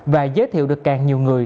và giới thiệu được càng nhiều người